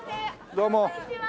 どうも。